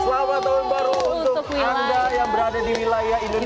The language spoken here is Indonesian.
selamat tahun baru untuk anda yang berada di wilayah indonesia